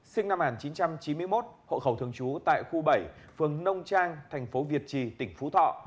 sinh năm một nghìn chín trăm chín mươi một hộ khẩu thường trú tại khu bảy phường nông trang tp việt trì tp phú thọ